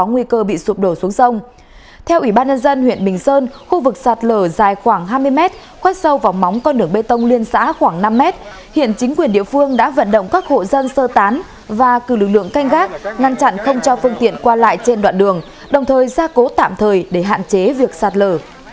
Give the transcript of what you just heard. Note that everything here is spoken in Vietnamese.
quét sâu vào móng con đường bê tông liên xã khoảng năm mét hiện chính quyền địa phương đã vận động các hộ dân sơ tán và cử lực lượng canh gác ngăn chặn không cho phương tiện qua lại trên đoạn đường đồng thời gia cố tạm thời để hạn chế việc sạt lở